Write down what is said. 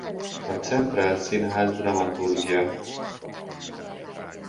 A Centrál Színház dramaturgja.